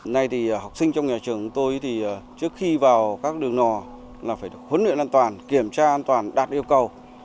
này thì học sinh trong nhà trường tôi thì trước khi vào các đường nò là phải được huấn luyện an toàn kiểm tra an toàn đạt yêu cầu